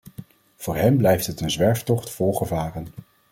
Voor hen blijft het een zwerftocht vol gevaren.